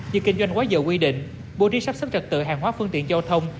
như kinh doanh quá dở quy định bộ đi sắp sắp trật tự hàng hóa phương tiện giao thông